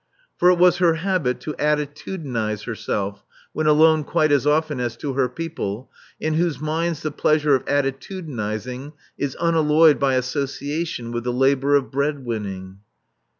For it was her habit to attitudinize herself when alone quite as often as to her people, in whose minds the pleasure of attitudinizing is unalloyed by association with the labor of breadwinning.